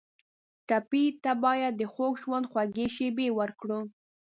ټپي ته باید د خوږ ژوند خوږې شېبې ورکړو.